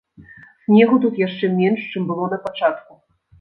Снегу тут яшчэ менш, чым было напачатку.